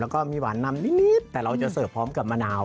แล้วก็มีหวานนำนิดแต่เราจะเสิร์ฟพร้อมกับมะนาว